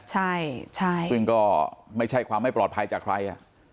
ใช่ซึ่งก็ไม่ใช่ความไม่ปลอดภัยจากใคร